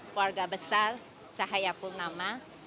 keluarga besar cahayapurnama